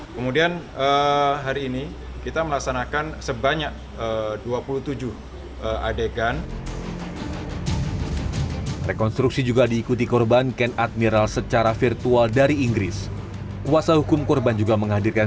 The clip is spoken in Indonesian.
kemudian hari ini kita melaksanakan sebanyak dua puluh tujuh adegan